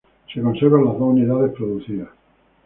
Se conservan las dos unidades producidas.